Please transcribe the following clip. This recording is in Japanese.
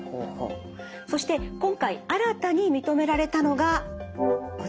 そして今回新たに認められたのがこちら経口中絶薬です。